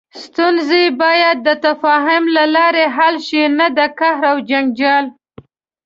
ستونزې باید د تفاهم له لارې حل شي، نه د قهر او جنجال.